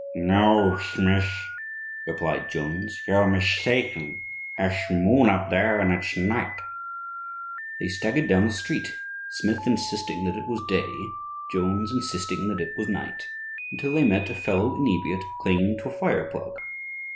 "'No, Shmith,' replied Jones, 'you're mistaken. Tha'sh moon up there, and it's night.' They staggered down the street, Smith insisting that it was day, Jones insisting that it was night, until they met a fellow inebriate clinging to a fire plug.